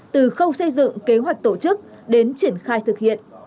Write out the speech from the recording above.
từ khâu xây dựng kế hoạch tổ chức đến triển khai thực hiện